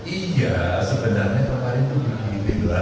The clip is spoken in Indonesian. iya sebenarnya pak arief itu begini